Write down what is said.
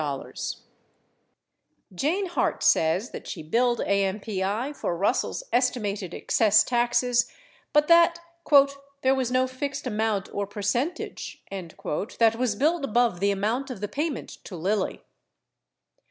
25 Jane Hart says that she billed AMPI for Russell's estimated ex cess taxes, but that "there was no fixed amount or percentage" that was billed above the amount of the payment to Lilly.